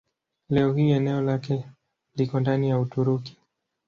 Leo hii eneo lake liko ndani ya Uturuki.